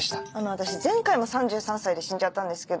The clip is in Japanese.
私前回も３３歳で死んじゃったんですけど。